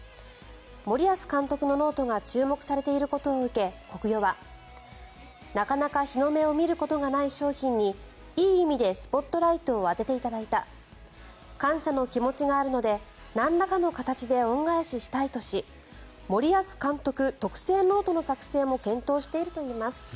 森保監督のノートが注目されていることを受けコクヨは、なかなか日の目を見ることがない商品にいい意味でスポットライトを当てていただいた感謝の気持ちがあるのでなんらかの形で恩返ししたいとし森保監督特製ノートの作成も検討しているといいます。